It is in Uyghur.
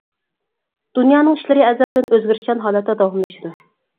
دۇنيانىڭ ئىشلىرى ئەزەلدىن ئۆزگىرىشچان ھالەتتە داۋاملىشىدۇ.